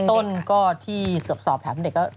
ต้นก็ที่สอบถามเด็กก็